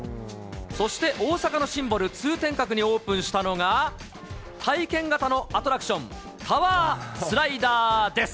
そして大阪のシンボル、通天閣にオープンしたのが、体験型のアトラクション、タワースライダーです。